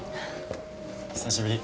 久しぶり。